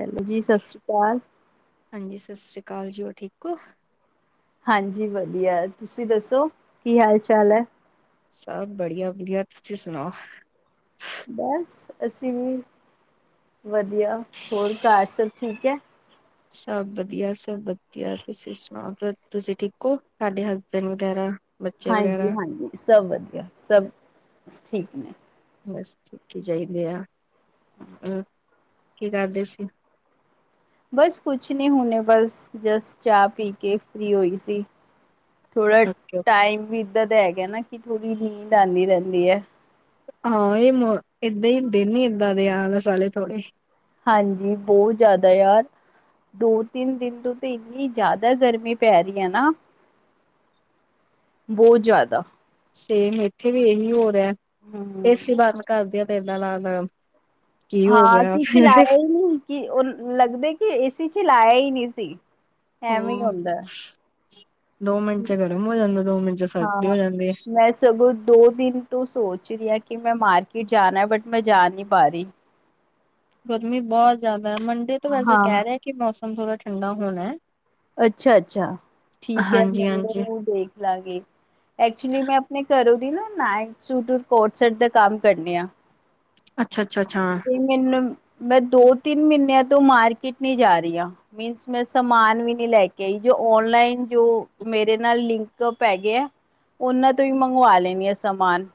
Hello ਜੀ, ਸਤਿ ਸ਼੍ਰੀ ਅਕਾਲ। ਹਾਂਜੀ, ਸਤਿ ਸ੍ਰੀ ਅਕਾਲ ਜੀ ਹੋਰ ਠੀਕ ਹੋ। ਹਾਂਜੀ ਵਧੀਆ ਤੁਸੀਂ ਦੱਸੋ, ਕੀ ਹਾਲ ਚਾਲ ਐ? ਸਭ ਬੜੀਆ- ਬੜੀਆ, ਤੁਸੀਂ ਸੁਣਾਓ। ਬਸ ਅਸੀ ਵੀ ਵਧੀਆ, ਹੋਰ ਘਰ ਸਭ ਠੀਕ ਹੈ? ਸਭ ਵਧੀਆ ਸਭ ਵਧੀਆ, ਤੁਸੀਂ ਸੁਣਾਓ ਤੁਸੀਂ ਠੀਕ ਹੋ ਤਾਡੇ ਹਸਬੈਂਡ ਵਗੈਰਾ? ਬੱਚੇ ਵਗੈਰਾ ਹਾਂਜੀ-ਹਾਂਜੀ ਸਭ ਵਧੀਆ। ਸਭ ਠੀਕ ਨੇ। ਬਸ ਠੀਕ ਈ ਚਾਹੀਦੇ ਆ, ਹੋਰ ਕੀ ਕਰਦੇ ਸੀ? ਬਸ ਕੁਛ ਨਹੀਂ ਹੁਣੇ ਬਸ ਜਸਟ ਚਾਹ ਪੀ ਕੇ ਫ੍ਰੀ ਹੋਈ ਸੀ। ਥੋੜਾ ਓਕੇ, ਟਾਈਮ ਵੀ ਏਦਾਂ ਦਾ ਹੈਗਾ ਨਾ ਕਿ ਥੋੜ੍ਹੀ ਨੀਂਦ ਆਂਦੀ ਰਹਿੰਦੀ ਹੈ। ਹਾਂ ਇਹ ਏਦਾਂ ਹੀ ਦਿਨ ਈ ਏਦਾਂ ਦੇ ਆ ਆਲਸ ਵਾਲੇ ਥੋੜੇ। ਹਾਂਜੀ, ਬਹੁਤ ਜ਼ਿਆਦਾ ਯਾਰ ਦੋ-ਤਿੰਨ ਦਿਨ ਤੋਂ ਤਾਂ ਇੰਨੀ ਜ਼ਿਆਦਾ ਗਰਮੀ ਪੈ ਰਹੀ ਆ ਨਾ। ਬਹੁਤ ਜ਼ਿਆਦਾ। ਸੇਮ ਇੱਥੇ ਵੀ ਇਹੀ ਹੋ ਰਿਹਾ, ਏ ਹਮ ਸੀ ਬੰਦ ਕਰਦੇ ਆ ਤਾਂ ਏਦਾਂ ਲਗਦਾ ਹਾਂ ਅਸੀਂ ਚਲਾਇਆ ਹੀ ਨੀ ਕਿ ਉਹ ਲੱਗਦਾ ਕਿ ਏ ਸੀ ਚਲਾਇਆ ਹੀ ਨਹੀ। ਸੀ। ਐਵੇਂ ਹੀ ਉਹ ਹੁੰਦਾ। ਦੋ ਮਿੰਟ ਚ ਗਰਮ ਹੋ ਜਾਂਦਾ ਦੋ ਮਿੰਟ ਚ ਸਰਦੀ ਹੋ ਹਾਂ, ਜਾਂਦੀ ਹੈ ਮੈਂ ਸਗੋਂ ਦੋ ਦਿਨ ਤੋਂ ਸੋਚ ਰਹੀ ਆ ਕਿ ਮੈਂ ਮਾਰਕੀਟ ਜਾਣਾ ਹੈ ਬਟ ਮੈਂ ਜਾ ਨਹੀਂ ਪਾ ਰਹੀ। ਗਰਮੀ ਬਹੁਤ ਜ਼ਿਆਦਾ ਹੈ ਮੰਡੇ ਤੋਂ ਵੈਸੇ ਕਹਿ ਹਾਂ। ਰਹੇ ਆ ਕਿ ਮੌਸਮ ਥੋੜ੍ਹਾ ਠੰਡਾ ਹੋਣਾ। ਅੱਛਾ-ਅੱਛਾ, ਠੀਕ ਏ [unintelligible] ਹਾਂਜੀ ਹਾਂਜੀ ਮੈਨੂੰ ਦੇਖਲਾਂਗੇ। ਐਕਚੁਲੀ ਮੈਂ ਆਪਣੇ ਘਰੋਂ ਦੀ ਨਾ ਨਾਈਟ ਸੂਟ ਔਰ ਕੋਡ ਸੈਟ ਦਾ ਕੰਮ ਕਰਨੀ ਆ। ਅੱਛਾ ਅੱਛਾ ਅੱਛਾ। ਤੇ ਮੈਨੂੰ ਮੈਂ ਦੋ-ਤਿੰਨ ਮਹੀਨਿਆਂ ਤੋਂ ਮਾਰਕੀਟ ਨਹੀਂ ਜਾ ਰਹੀ ਹਾਂ ਮੀਨਸ ਮੈਂ ਸਮਾਨ ਵੀ ਨੀ ਲੈ ਕੇ ਆਈ ਜੋ ਔਨਲਾਈਨ ਜੋ ਮੇਰੇ ਨਾਲ ਲਿੰਕ ਪੈ। ਗਏ ਆ। ਉਹਨਾਂ ਤੋਂ ਹੀ ਮੰਗਵਾ ਲੈਣੀ ਆ ਸਮਾਨ।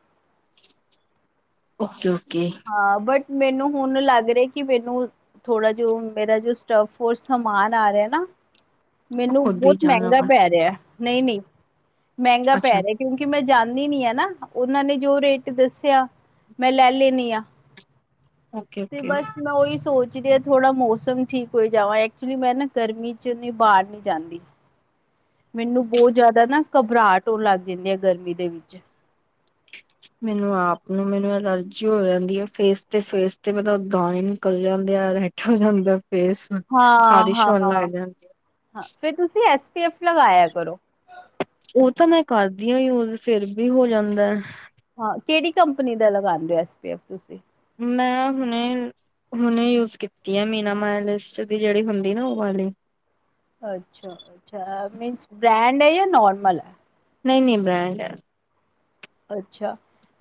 ਓਕੇ ਓਕੇ ਹਾਂ ਬਟ ਮੈਨੂੰ ਹੁਣ ਲੱਗ ਰਿਹਾ ਕਿ ਮੈਨੂੰ ਥੋੜਾ ਜੋ ਮੇਰਾ ਜੋ ਸਟਫਰ ਸਮਾਨ ਆ ਰਿਹਾ ਨਾ [unintelligible] ਮੈਨੂੰ ਖੁਦ ਹੀ ਬਹੁਤ ਜਾਣਾ ਮਹਿੰਗਾ ਵਾ ਪੈ ਰਿਹਾ, ਨਹੀਂ-ਨਹੀਂ, ਮਹਿੰਗਾ ਪੈ ਅੱਛਾ। ਰਿਹਾ ਕਿਉਂਕਿ ਮੈਂ ਜਾ ਦੀ ਨੀ ਆ ਨਾ ਉਹਨਾਂ ਨੇ ਜੋ ਰੇਟ ਦੱਸਿਆ, ਮੈਂ ਲੈ ਲੈਨੀ ਆ। ਓਕੇ ਤੇ ਓਕੇ। ਬਸ ਮੈਂ ਉਹੀ ਸੋਚ ਥੋੜ੍ਹਾ ਮੌਸਮ ਠੀਕ ਹੋ ਜਾਵਾਂ ਐਕਚੁਲੀ ਮੈਂ ਨਾ ਗਰਮੀ ਚ ਬਾਹਰ ਨੀ ਜਾਂਦੀ। ਮੈਨੂੰ ਬਹੁਤ ਜ਼ਿਆਦਾ ਨਾ ਘਬਰਾਹਟ ਹੋਣ ਲੱਗ ਜਾਂਦੀ ਆ ਗਰਮੀ ਦੇ ਵਿੱਚ। ਮੈਨੂੰ ਆਪ ਨੂੰ ਮੈਨੂੰ ਅਲਰਜੀ ਹੋ ਜਾਂਦੀ ਆ ਫੇਸ ਤੇ ਫੇਸ ਤੇ ਮਤਲਬ ਦਾਣੇ ਨਿਕਲ ਜਾਂਦੇ। [unintelligible] ਜਾਂਦਾ ਫੇਸ ਹਾਂ ਖ਼ਾਰਿਸ਼ ਹਾਂ, ਹੋਣ ਲੱਗ ਜਾਂਦੀ। ਹਾਂ ਫਿਰ ਤੁਸੀਂ ਇਸ ਐੱਸ ਪੀ ਐੱਫ ਲਗਾਇਆ ਕਰੋ। ਉਹ ਤਾਂ ਮੈਂ ਕਰਦੀ ਆ ਯੂਜ ਫੇਰ ਵੀ ਹੋ ਜਾਂਦਾ। ਹਾਂ ਕਿਹੜੀ ਕੰਪਨੀ ਦਾ ਲਗਾਂਦੇ ਓ ਐੱਸ ਪੀ ਐਫ ਤੁਸੀਂ? ਮੈਂ ਹੁਣੇ, ਹੁਣੇ ਯੂਜ ਕੀਤੀ ਆ ਮੀਨਾ ਮਾਇਲਿਸਟ ਦੀ ਜਿਹੜੀ ਹੁੰਦੀ ਨਾ ਉਹ ਵਾਲੀ। [unintelligible] ਅੱਛਾ-ਅੱਛਾ ਮੀਨਸ ਬ੍ਰੈਂਡ ਹੈ ਜਾਂ ਨੋਰਮਲ ਹੈ? ਨਹੀ-ਨਹੀ ਬ੍ਰਾਂਡ ਹੈ। ਅੱਛਾ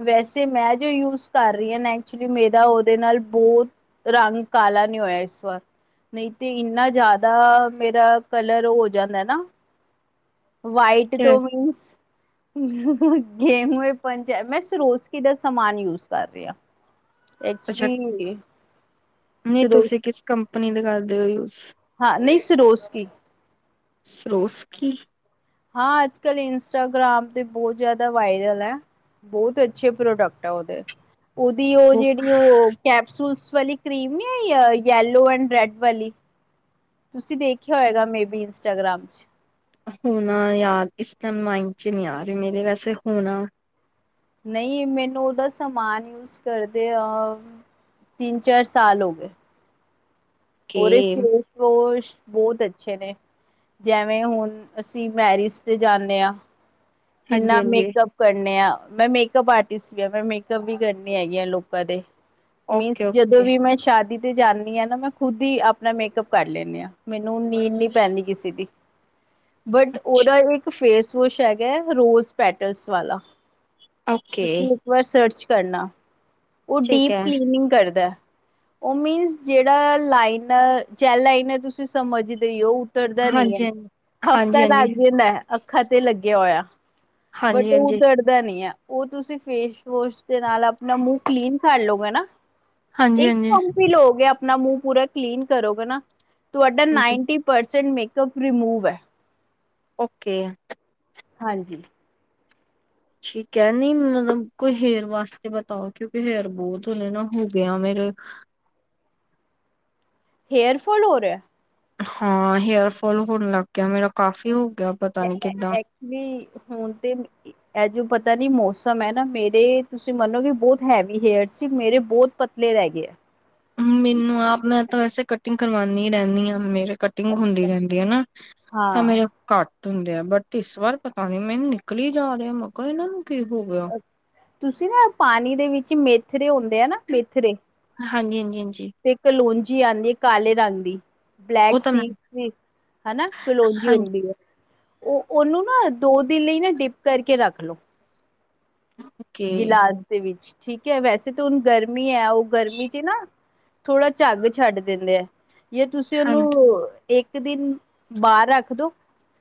ਵੈਸੇ ਮੈਂ ਜੋ ਯੂਜ ਕਰ ਰਹੀ ਹਾਂ ਨਾ ਐਕਚੁਲੀ ਮੇਰਾ ਉਹਦੇ ਨਾਲ ਬਹੁਤ ਰੰਗ ਕਾਲਾ ਨਹੀਂ ਹੋਇਆ ਇਸ ਵਾਰ। ਨਹੀਂ ਤੇ ਇੰਨਾ ਜ਼ਿਆਦਾ ਮੇਰਾ ਕਲਰ ਹੋ ਜਾਂਦਾ ਨਾ। ਵਾਈਟ ਤੋਂ ਮੀਨਸ ਗੇਹੂ ਪੰਜ ਮੈਂ ਸਰੋਸਕੀ ਦਾ ਸਮਾਨ ਯੂਜ ਕਰ ਰਿ ਹਾ। ਅੱਛਾ ਐਕਚਲੀ ਨਹੀਂ ਤੁਸੀਂ ਕਿਸ ਕੰਪਨੀ ਦਾ ਕਰਦੇ ਹੋ ਯੂਜ? ਨਈ ਸਿਰੋਸਕੀ, ਸਿਰੋਸਕੀ ਹਾਂ, ਅੱਜ ਕੱਲ੍ਹ ਇੰਸਟਾਗ੍ਰਾਮ ਤੇ ਬਹੁਤ ਜ਼ਿਆਦਾ ਵਾਇਰਲ ਐ। ਬੋਤ ਅੱਛੇ ਪ੍ਰੋਡਕਟ ਆ ਉਹਦੇ, ਉਹਦੀ ਉਹ ਜਿਹੜੀ ਉਹ ਕੈਪਸੂਲਸ ਵਾਲੀ ਕਰੀਮ ਨੀ ਆਈ ਯਲੋ ਐਂਡ ਰੈਡ ਵਾਲੀ। ਤੁਸੀਂ ਦੇਖਿਆ ਹੋਏਗਾ, ਮੇਬੀ ਇੰਸਟਾਗ੍ਰਾਮ ਚ। ਹੋਣਾ ਯਾਦ ਇਸ ਟੈਮ ਮਾਈਡ ਚ ਨਹੀਂ ਆ ਰਹੇ ਮੇਰੇ ਵੈਸੇ ਹੋਣਾ। ਨਹੀਂ ਮੈਨੂੰ ਉਹਦਾ ਸਮਾਨ ਯੂਜ ਕਰਦੇ ਆ ਤਿੰਨ ਚਾਰ ਸਾਲ ਹੋ ਗਏ। ਕੇ ਉਰੇ ਫੇਸ ਵੋਸ਼, ਬਹੁਤ ਅੱਛੇ ਨੇ ਜੈਵੇਂ ਹੁਣ ਅਸੀਂ ਮੈਰਿਜ ਤੇ ਜਾਂਨੇ ਹਾਂ। ਹਾਂਜੀ ਕਿੰਨਾ ਹਾਂਜੀ ਮੇਕਅੱਪ ਕਰਨੇ ਆ। ਮੈਂ ਮੇਕਅਪ ਆਰਟਿਸਟ ਵੀ ਆ ਮੈਂ ਮੇਕਅਪ ਵੀ ਕਰਨੀ ਹੈਗੀ ਆ ਲੋਕਾਂ ਦੇ। ਮਿੱਨਸ ਓਕੇ ਜਦੋਂ ਓਕੇ ਵੀ ਮੈਂ ਸ਼ਾਦੀ ਜਾਂਨੀ ਆ ਨਾ ਮੈਂ ਖੁਦ ਹੀ ਆਪਣਾ ਮੇਕਅਪ ਕਰ ਲੈਂਨੀ ਹਾਂ ਮੈਨੂੰ ਨੀਂਡ ਨੀ ਪੈਂਦੀ ਕਿਸੇ ਦੀ। [unintelligible] ਬਟ ਉਹਦਾ ਅੱਛਾ ਇੱਕ ਫੇਸ ਵੋਸ਼ ਹੈਗਾ ਹੈ ਰੋਜ਼ ਪੈਟਲਸ ਵਾਲਾ। ਓਕੇ ਤੁਸੀਂ ਇੱਕ ਵਾਰ ਸਰਚ ਕਰਨਾ ਉਹ ਠੀਕ ਡੀਪ ਹੈ ਕਲੀਨਿੰਗ ਕਰਦਾ। ਉਹ ਮੀਨਸ ਜਿਹੜਾ ਲਾਈਨ ਜੈ ਲਾਈਨ ਤੁਸੀਂ ਸਮਝਦੇ ਹੋ ਤੁਰਦਾ ਨੀ ਏ, ਹਾਂਜੀ ਹਫ਼ਤਾ ਹਾਂਜੀ ਹਾਂਜੀ ਲੱਗ ਜਾਂਦਾ ਏ, ਅੱਖਾਂ ਤੇ ਲੱਗਿਆ ਹੋਇਆ। ਬਟ ਹਾਂਜੀ ਹਾਂਜੀ ਉਹ ਹਾਂਜੀ ਚੜਦਾ ਨੀ ਆ। ਉਹ ਤੁਸੀਂ ਫੇਸ ਵਸ਼ ਦੇ ਨਾਲ ਆਪਣਾ ਮੂੰਹ ਕਲੀਨ ਕਰ ਲੋਗੇ ਨਾ। ਹਾਂਜੀ ਇੱਕ ਹਾਂਜੀ ਕੰਪੀ ਲੋ ਗੇ ਆਪ ਨਾ ਮੂੰਹ ਪੂਰਾ ਕਲੀਨ ਕਰੋਗੇ ਨਾ ਤੁਹਾਡਾ ਹਾਂਜੀ ninety percent makeup remove ਐ। ਓਕੇ। ਹਾਂਜੀ। ਠੀਕ ਹੈ, ਨ ਮਤਲਬ ਕੋਈ ਹੇਅਰ ਵਾਸਤੇ ਬਤਾਓ ਕਿਉਂਕਿ ਹੇਅਰ ਬਹੁਤ ਹਲੇ ਨਾ ਹੋ ਗਿਆ ਮੈਂ [unintelligible] ਹੇਅਰ ਫੋਲ ਹੋ ਰਯਾ? ਹਾਂ, ਹੇਅਰ ਫਾਲ ਹੋਣ ਲੱਗ ਗਿਆ ਮੇਰਾ ਕਾਫੀ ਗਿਆ ਪਤਾ ਨੀ ਕਿੱਦਾਂ ਐ-ਐ-ਐਕਚੁਲੀ ਹੁਣ ਤੇ ਇ-ਇਹ ਜੋ ਪਤਾ ਨੀ ਮੌਸਮ ਐ ਨਾ, ਮੇਰੇ ਤੁਸੀਂ ਮੰਨੋ ਕਿ ਬਹੁਤ ਹੈਵੀ ਹੇਅਰ ਸੀ ਮੇਰੇ ਬੋਤ ਪਤਲੇ ਰਹਿ ਗਏ ਆ। ਮੈਨੂੰ ਆਪ, ਮੈਂ ਤਾਂ ਵੈਸੇ ਕਟਿੰਗ ਕਰਵਾਨੀ ਰਹਿਣੀ ਆਂ, ਮੇਰੇ ਕਟਿੰਗ ਹੁੰਦੀ ਅੱਛਾ। ਰਹਿੰਦੀ ਏ ਨਾ, ਤਾਂ ਮੇਰੇ ਹਾਂ ਘੱਟ ਹੁੰਦੇ ਆ ਬਟ ਇਸ ਵਾਰ ਪਤਾ ਨੀ ਮੈਨੂੰ ਨਿਕਲੀ ਜਾ ਰਿਹਾ, ਮੈਂ ਕਾਂ ਇਹਨਾਂ ਨੂੰ ਕੀ ਹੋ ਗਿਆ? ਤੁਸੀਂ ਨਾ ਪਾਣੀ ਦੇ ਵਿੱਚ ਮੇਥਰੇ ਹੁੰ ਨਾ ਮੇਥਰੇ ਹਾਂਜੀ ਹਾਂਜੀ ਹਾਂਜੀ ਤੇ ਕਲੂੰਜੀ ਆਉਂਦੀ ਹੈ ਕਾਲੇ ਰੰਗ ਦੀ ਬਲੈਕ ਉਹ ਤਾਂ ਮੈਂ ਸੀ ਹਨਾ ਕਲੋਨੀ ਹੋ ਹਾਂਜੀ ਰਦੀ ਹੈ ਉਹ ਉਹਨੂੰ ਨਾ ਦੋ ਦਿਨ ਲਈ ਨਾ ਡਿਪ ਕਰਕੇ ਰੱਖ ਲਓ ਓਕੇ ਗਿਲਾਸ ਦੇ ਵਿੱਚ ਠੀਕ ਹੈ ਵੈਸੇ ਤਾਂ ਹੁਣ ਗਰਮੀ ਹੈ ਉਹ ਗਰਮੀ ਚ ਨਾ ਥੋੜਾ ਝੱਗ ਛੱਡ ਦਿੰਦੇ ਆ ਜੇ ਤੁਸੀਂ ਹਾਂ ਉਹਨੂੰ ਇੱਕ ਇੱਕ ਦਿਨ ਬਾਹਰ ਰੱਖ ਦੋ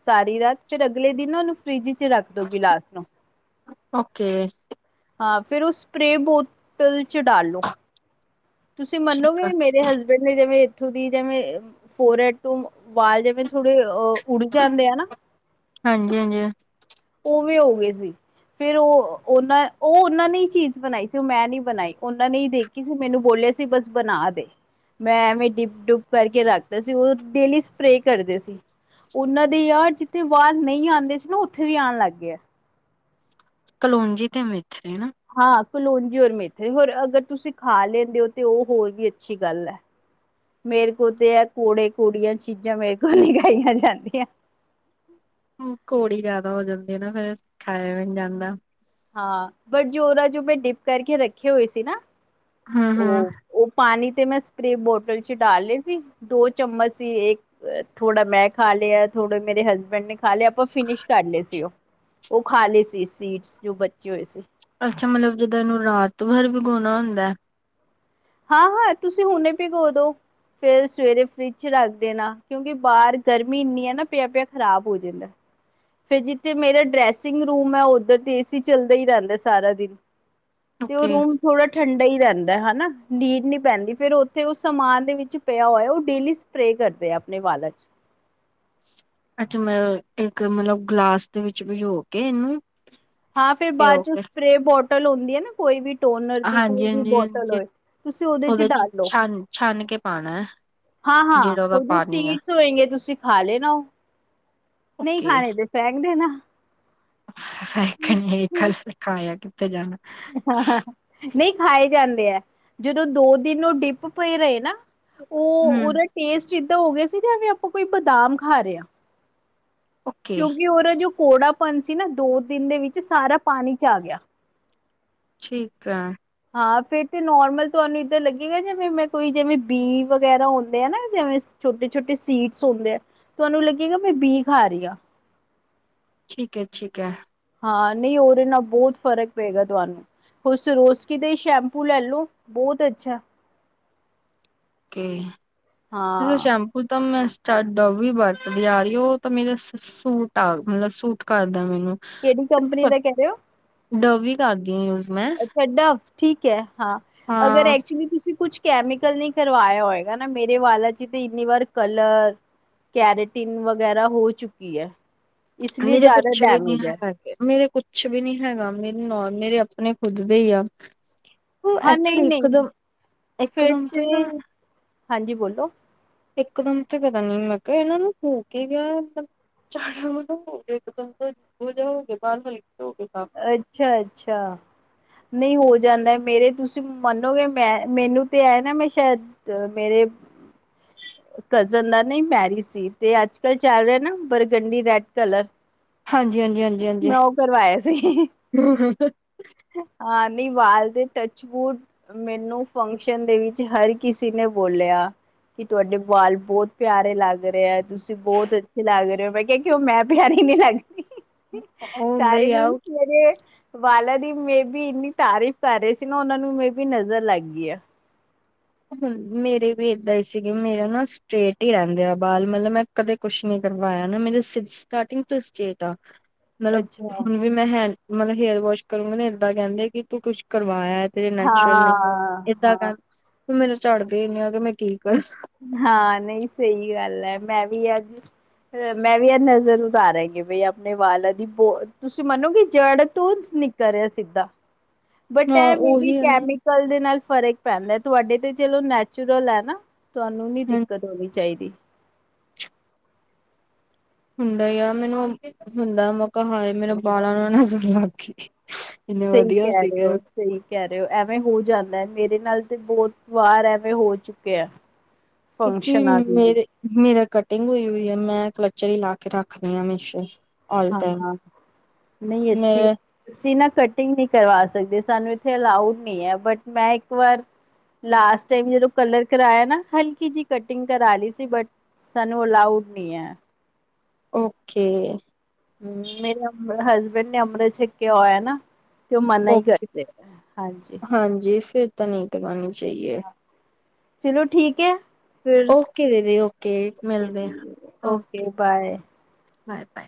ਸਾਰੀ ਰਾਤ ਫੇਿਰ ਅਗਲੇ ਦਿਨ ਉਹਨੂੰ ਫਰਿਜ ਚ ਰੱਖ ਦੋ ਗਿਲਾਸ ਨੂੰ ਓਕੇ ਹਾਂ ਫਿਰ ਉਹ ਸਪਰੇਅ ਬੋਤਲ ਚ ਡਾਲੋ ਤੁਸੀਂ ਮੰਨੋਗੇ ਮੇਰੇ ਹਸਬੈਂਡ ਨੇ ਜਿਵੇਂ ਇੱਥੋਂ ਦੀ ਜਿਵੇ ਫਰ ਐ ਟੂ ਵਾਲ ਜਿਵੇਂ ਥੋੜੇ ਉੱਡ ਜਾਂਦੇ ਆ ਨਾ ਹਾਂਜੀ ਹਾਂਜੀ ਉਹ ਵੀ ਹੋ ਗਏ ਸੀ ਫੇਿਰ ਉਹ ਉਹਨਾਂ ਉਹ ਉਹਨਾਂ ਨੇ ਚੀਜ਼ ਬਣਾਈ ਸੀ ਉਹ ਮੈਂ ਨਹੀਂੀ ਬਣਾਈ ਉਹਨਾਂ ਨੇ ਦੇਖੀ ਸੀ ਮੈਨੂੰ ਬੋਲੀ ਸੀ ਬਸ ਬਣਾ ਦੇ ਮੈਂ ਐਵੇਂ ਡਿਪ ਡੁਬ ਕਰਕੇ ਰੱਖਦਾ ਸੀ ਉਹ ਡੇਲੀ ਸਪਰੇ ਕਰਦੇ ਸੀ ਉਹਨਾਂ ਦੇ ਯਾਰ ਜਿੱਥੇ ਬਾਹਰ ਨਹੀਂ ਆਉਂਦੇ ਸੀ ਨਾ ਉੱਥੇ ਵੀ ਆਉਣ ਲੱਗ ਗ ਆ ਕਲੋਂਜੀ ਤੇ ਮੇਥਰੇ ਨਾ ਹਾਂ ਕਲੋਂਜੀ ਰ ਮੇਥ ਹੋਰ ਅਗਰ ਤੁਸੀਂ ਖਾ ਲੈਂਦੇ ਹੋ ਤਾਂ ਉਹ ਹੋਰ ਵੀ ਅੱਛੀ ਗੱਲ ਹੈ ਮੇਰੇ ਕੋਲ ਤੇ ਹੈ ਕੂੜੇ ਕੂੜੀਆਂ ਚੀਜ਼ਾਂ ਮੇਰੇ ਕੋਲ ਨ ਗਾਈਆਂ ਜਾਂਦੀਆਂ ਹ ਘੋੜੀ ਜਿਆਦਾ ਹੋ ਜਾਂਦੀ ਆ ਨਾ ਫੇਿਰ ਖਾਾਇਆ ਵੀ ਨਹੀਂ ਜਾਂਦਾ ਹਾਂ ਬਟ ਜੋ ਜੋ ਮੈਂ ਡਿਪ ਕਰਕੇ ਰੱਖੇ ਹੋਏ ਸੀ ਨਾ ਹੂੰ ਹੂੰ ਉਹ ਉਹ ਪਾਣੀ ਤੇ ਮੈਂ ਸਪਰੇ ਬੋਟਲ ਚ ਡਾਲ ਲਏ ਸੀ ਦੋ ਚਮਚ ਸੀ ਇੱਕ ਥੋੜਾ ਮੈਂ ਖਾ ਲਿਆ ਥੋੜੇ ਮੇਰੇ ਹਸਬੈਂਡ ਨੇ ਖਾ ਲਿਆ ਆਪਾਂ ਫਿਨਿਸ਼ ਕਰ ਲਏ ਸੀ ਉਹ ਉਹ ਖਾ ਲ ਲਈ ਸੀ ਸ ਜੋ ਬੱਚੇ ਹੋਏ ਸੀ ਅੱਛਾ ਮਤਲਬ ਜਿੱਦਾਂ ਇਹਨੂੰ ਰਾਤ ਤੋਂ ਬਰ ਵਿਗਾਉਣਾ ਹੁੰਦਾ ਹੈ ਹਾਂ ਹਾਂ ਤੁਸੀਂ ਹੁਣੇ ਭਗ ਦੋ ਫੇਿਰ ਸਵੇਰੇ ਫਰਿੱਜ ਚ ਰੱਖ ਦੇਣਾ ਕਿਉਂਕਿ ਬਾਹਰ ਗਰਮੀ ਇੰਨੀ ਹੈ ਨਾ ਪਿਆ ਪਿਆ ਖ਼ਰਾਬ ਹੋ ਜਾਂਦਾ ਫਿਰ ਜਿੱਥੇ ਮੇਰਾ ਡਰੈਸਿੰਗ ਰੂਮ ਹੈ ਉਓਧਰ ਤੇ ਏਸੀ ਚੱਲਦਾ ਹੀ ਰਹਿੰਦਾ ਸਾਰਾ ਦਿਨ ਤੇ ਉਹ ਓਕੇ ਰੂਮ ਥੋੜਾ ਠੰਡਾ ਹੀ ਰਹਿੰਦਾ ਹਨਾ ਨੀਡ ਨੀ ਪੈਂਦੀ ਫੇਿਰ ਉੱਥੇ ਉਹ ਸਮਾਨ ਦੇ ਵਿੱਚ ਪਿਆ ਹੋਇਆ ਉਹ ਡੇਲੀ ਸਪਰੇ ਕਰਦੇ ਆਪਣੇ ਪਾਲਕ ਅੱਛਾ ਮ ਇੱਕ ਮਤਲਬ ਗਲਾਸ ਦੇ ਵਿੱਚ ਭਜੋ ਕੇ ਇਹਨੂੰ ਹਾਂ ਫਿਰ ਬਾਅਦ ਪਿਓ ਚ ਕੇ ਸਪਰੇ ਬੋਟਲ ਹੁੰਦੀ ਹੈ ਨਾ ਕੋਈ ਵੀ ਸੋਨਰ ਦੀ ਕੋਈ ਹਾਂਜੀ, ਵੀ ਹਾਂਜੀ, ਬੋਤਲ ਹਾਂਜੀ ਹੋਏ ਤੁਸੀਂ ਉਹਦੇ ਚ ਡਾਲ ਲਓ ਛਾਨ ਛਾਨ ਕੇ ਪਾਣਾ ਐ ਹਾਂ ਹਾਂ ਜਿਹੜਾ ਉਹਦਾ ਉਹ ਪਾਣੀ ਆ। ਸੀਡਸ ਹੋਏਗੇ ਤੁਸੀਂ ਖਾ ਲੈ ਨਾ ਉਹ ਨਹੀਂ ਓਕੇ ਖਾਣੇ ਤੇ ਸਹਿਕਦੇ ਨਾ ਤੇ ਜਾਣਾ ਨਹੀਂ ਖਾਏ ਜਾਂਦੇ ਹੈ ਜਦੋਂ ਦੋ ਦਿਨ ਉਹ ਡਿੱਪ ਪਏ ਰਹੇ ਨਾ ਉਹ ਹੂੰ ਉਹਦਾ ਟੇਸਟ ਏਦਾਂ ਹੋ ਗਿਆ ਸੀ ਜਾਂ ਆਪਾਂ ਕੋਈ ਬਦਾਮ ਖਾ ਰਹੇ ਹ ਓਕੇ ਕਿਉਂਕਿ ਉਹਦਾ ਜੋ ਕੌੜਾਪਨ ਸੀ ਨਾ ਦੋ ਦਿਨ ਦੇ ਵਿੱਚ ਸਾਰਾ ਪਾਣੀ ਚ ਆ ਗਿਆ ਠੀਕ ਆ ਹਾਂ ਫੇਰ ਨੋਰਮਲ ਤੁਹਾਨੂੰ ਇਧਰ ਲੱਗੇਗਾ ਜਿਵੇ ਕੋ ਜਿਵੇਂ ਬੀ ਵਗੈਰਾ ਹੁੰਦੇ ਆ ਨਾ ਜਿਵੇ ਛੋਟੇ ਛੋਟੇ ਸੀਟਸ ਹੁੰਦੇ ਆ ਤੁਹਾਨੂੰ ਲੱਗੇਗਾ ਮੈਂ ਬੀ ਖਾ ਰਹੀ ਹਾਂ ਠੀਕ ਹੈ ਠੀਕ ਹੈ ਹਾਂ ਨਹੀਂ ਉਹਦੇ ਨਾਲ ਬਹੁਤ ਫ਼ਰਕ ਪਏਗਾ ਤੁਹਾਨੂੰ ਹੋ ਸਰੋਸਕੀ ਦਾ ਹੀ ਸ਼ੈਂਪੂ ਲੈ ਲੋ ਬਹੁਤ ਅੱਛਾ ਅੱਛਾ ਹਾਂ। ਸ਼ੈਪੂ ਤਾਂ ਮੈਂ ਝੱਡ ਉਹ ਵੀ ਵਰਤਦੀ ਆ ਰਹੀ ਉਹ ਤਾਂ ਮੇਰੇ ਸੂਟ ਆ ਮਤਲਬ ਸੂਟ ਕਰ ਮੈਨੂੰ ਕਿਹੜੀ ਕੰਪਨੀ ਦਾ ਕਹਿ ਰਹੇ ਹੋ ਡਵ ਵੀ ਕਰਦੀ ਮੈਂ ਅੱਛਾ ਡਵ ਠੀਕ ਹੈ ਹਾਂ ਅਗਰ ਹਾਂ ਐਕਚੁਲੀ ਤੁਸੀਂ ਕੁਛ ਕੈਮੀਕਲ ਨੀ ਕਰਵਾਇਆ ਹੋਏਗਾ ਨਾ ਮੇਰੇ ਵਾਲਾ ਜੀ ਤੇ ਇੰਨੀ ਵਾਰ ਕਲਰ ਕੈਰੇਟਿਨ ਵਗੈਰਾ ਹੋ ਚੁੱਕੀ ਹੈ। ਮੇਰੇ ਕੁਛ ਵੀ ਨੀ ਹਾਂ ਕਰਦੇ ਮੇਰੇ ਕੁਛ ਵੀ ਨੀ ਹੈਗਾ ਮੇਰੀ [unintelligible] ਮੇਰੇ ਆਪਣੇ ਖੁੱਦ ਦੇ ਹੀ ਆ। ਉਹ ਐਕਚੁਲੀ ਇੱਕਦਮ-ਇੱਕਦਮ ਤੇ ਨਾ ਹਾਂਜੀ ਬੋਲੋ। ਇਕਦਮ ਤੇ ਪਤਾ ਨੀ ਮੈਂ ਕਿਹਾ ਇਹਨਾਂ ਨੂੰ ਹੋ ਕੇ ਹੀ ਗਿਆ। ਚਾੜ [unintelligible] ਅੱਛਾ-ਅੱਛਾ ਨਹੀਂ ਹੋ ਜਾਂਦਾ। ਮੇਰੇ ਤੁਸੀਂ ਮੰਨੋਗੇ ਮੈਂ ਮੈਨੂੰ ਤੇ ਹੈ ਨਾ ਮੈਂ ਸ਼ਾਇਦ ਮੇਰੇ ਕਜ਼ਨ ਦਾ ਨ ਮੈਰਿਜ ਸੀ ਤੇ ਅੱਜ ਕੱਲ੍ਹ ਚੱਲ ਰਿਹਾ ਨਾ ਬਰਗੰਡੀ ਰੈਡ ਕਲਰ ਹਾਂਜੀ ਹਾਂਜੀ ਹਾਂਜੀ ਹਾਂਜੀ। ਮੈਂ ਉਹ ਕਰਵਾਇਆ ਸੀ। ਹਾਂ ਨੀ ਵਾਲ ਦੇ ਟਚ ਵੁਡ ਮੈਨੂੰ ਫੰਕਸ਼ਨ ਦੇ ਵਿੱਚ ਹਰ ਕਿਸੇ ਨੇ ਬੋਲਿਆ ਕੀ ਤੁਹਾਡੇ ਵਾਲ ਬਹੁਤ ਪਿਆਰੇ ਲੱਗ ਰਹੇ ਹੈ। ਤੁਸੀਂ ਬਹੁਤ ਅੱਛੇ ਲੱਗ ਰਹੇ ਹੋ, ਮੈਂ ਕਿਹਾ ਕਿ ਉਹ ਮੈਂ ਪਿਆਰੀ ਨੀ ਲੱਗ ਰਹੀ। ਉਹ ਹੁੰਦਾ ਸਾਰੇ ਹੀ ਆ ਮੀਨਸ ਮੇਰੇ ਵਾਲਾ ਦੀ ਮੈਬੀ ਵੀ ਇੰਨੀ ਤਾਰੀਫ਼ ਕਰ ਰਹੇ ਸੀ ਨਾ ਉਹਨਾਂ ਨੂੰ ਮੇਬੀ ਨਜ਼ਰ ਲੱਗ ਗਈ ਆ। ਹ ਮੇਰੇ ਵੀ ਏਦਾਂ ਹੀ ਸੀਗੇ ਮੇਰੇ ਨਾ ਸਟਰੇਟ ਹੀ ਰਹਿੰਦੇ ਆ ਬਾਲ ਮਤਲਬ ਮੈਂ ਕਦੇ ਕੁਛ ਨੀ ਕਰਵਾਇਆ ਨਾ ਮੇਰੇ ਸ ਸਟਾਰਟਿੰਗ ਤੋਂ ਸਟੇਟ ਆ। ਮਤਲਬ ਅੱਛਾ। ਹੁਣ ਵੀ ਮੈਂ ਹੈਂ ਮਤਲਬ ਹੇਅਰ ਵਾਸ਼ ਕਰੂੰਗਾ ਇੱਦਾਂ ਕਹਿੰਦੇ ਕਿ ਤੂੰ ਕੁਛ ਕਰ ਕਰ ਵਾਇਆ ਆ ਤੇ ਨੈਚੁਰਲ ਨੀ ਐ, ਹਾਂ, ਏਦਾਂ ਹਾਂ, ਕਹਿ ਹੁਣ ਮੈਂਨੂੰ ਝਡਦੇ ਇੰਨੇ ਆ ਕਿ ਮੈਂ ਕੀ ਕਰ ਹਾਂ ਨਹੀਂ ਸਹੀ ਗੱਲ ਹੈ ਮੈਂ ਵੀ ਅੱਜ ਅ ਮੈਂ ਵੀ ਅਜ ਨਜ਼ਰ ਉਤਾਰਾਂਗੀ ਬਈ ਆਪਣੇ ਵਾਲਾਂ ਦੀ ਬਹੁ ਤੁਸੀਂ ਮੰਨੋਗੇ ਜੜ ਤੋਂ ਨਿਕਲ ਰਿਹਾ ਸਿੱਧਾ ਬਟ ਹਾਂ ਇਹ ਮੇਰੀ ਉਹੀ ਹੈ ਨਾ। ਕੈਮੀਕਲ ਦੇ ਨਾਲ ਫ਼ਰਕ ਪੈਂਦਾ ਤੁਹਾਡੇ ਤੇ ਚਲੋ ਨੈਚੁਰਲ ਹੈ ਨਾ ਤੁਹਾਨੂੰ ਨੀ ਦਿੱਕਤ ਆਣੀ ਚਾਹੀਦੀ। ਹੁੰਦਾ ਹੀ ਯਾਰ ਮੈਨੂੰ ਹੁੰਦਾ ਮਕਾ ਹਏ ਮੇਰੇ ਬਾਲਾਂ ਨੂੰ ਨਜ਼ਰ ਲੱਗ ਗੀ। ਸਹੀ ਕਹਿ ਰਹੇ ਹੋ, ਸਹੀ ਕਹਿ ਰਹੇ ਹੋ, ਐਵੇਂ ਹੋ ਜਾਂਦਾ। ਮੇਰੇ ਨਾਲ ਤੇ ਬਹੁਤ ਵਾਰ ਐਵੇਂ ਹੋ ਚੁਕਿਆ। ਕਿਉਂਕਿ ਮੇਰੇ ਮੇਰਾ ਕਟਿੰਗ ਹੋਈ ਹੋਈ ਆ ਮੈਂ ਕਲਚਰ ਹੀ ਲਾ ਕੇ ਰੱਖਣੀ ਆ ਹਮੇਸ਼ਾ ਹੀ। ਹਾਂ, ਨਹੀਂ ਅੱਛੀ, ਮੇਰੇ ਅਸੀ ਸੀ ਨਾ ਕਟਿੰਗ ਨਹੀਂ ਕਰਵਾ ਦੇ ਸਾਨੂੰ ਇੱਥੇ ਅਲਾਊਡ ਨਹੀਂ ਐ ਬਟ ਮੈਂ ਇੱਕ ਵਾਰ ਲਾਸਟ ਟਾਈਮ ਜਦੋਂ ਕਲਰ ਕਰਾਇਆ ਨਾ ਹਲਕੀ ਜਿਹੀ ਕਟਿੰਗ ਕਰਾ ਲਈ ਸੀ ਬਟ ਸਾਨੂੰ ਅਲਾਊਡ ਨੀ ਐ। ਓਕੇ। ਹੂੰ, ਮੇਰੇ ਅ ਹਸਬੈਂਡ ਨੇ ਅੰਮ੍ਰਿਤ ਛੱਕਿਆ ਹੋਇਆ ਨਾ। ਤੇ ਉਹ ਮਨਾ ਹੀ ਓਕੇ ਕਰਦੇ ਹਾਂਜੀ। ਹਾਂਜੀ ਫਿਰ ਤਾਂ ਨਹੀਂ ਕਰਵਾਨੀ ਚਾਹੀਏ। ਚਲੋ ਠੀਕ ਐ। ਓਕੇ ਦੀਦੀ ਓਕੇ ਮਿਲਦੇ ਆ ਓਕੇ। Bye bye.